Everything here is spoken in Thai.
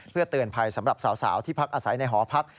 เพื่อเตือนภัยสำหรับสาวที่พักอาศัยในหอพัก